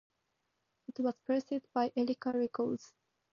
It was pressed by Erika Records.